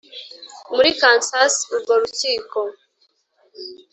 muri Kansas Urwo rukiko